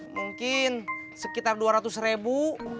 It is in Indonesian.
mungkin sekitar dua ratus ribu